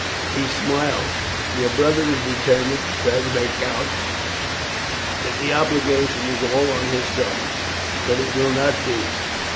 He smiled, "Your brother is determined to try to make out that the obligation is all on his side, but it will not do.